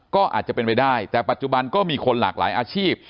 ก็อาจจะเป็นไปได้แต่ปัจจุบันก็มีคนหลากหลายอาชีพ